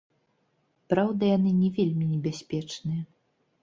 Праўда, яны не вельмі небяспечныя.